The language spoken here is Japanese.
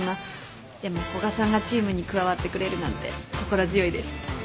でも古賀さんがチームに加わってくれるなんて心強いです。